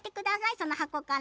その箱から。